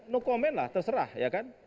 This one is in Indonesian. no comment lah terserah ya kan